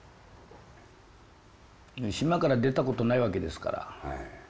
島から出たことないわけですから。